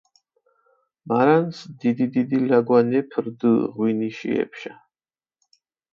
მარანს დიდი-დიდი ლაგვანეფი რდჷ ღვინიში ეფშა.